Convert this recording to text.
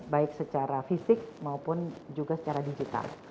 baik secara fisik maupun juga secara digital